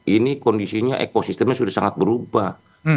ini kondisinya ekosistemnya sudah sangat berubah